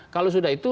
kalau sudah itu